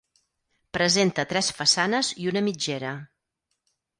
Presenta tres façanes i una mitgera.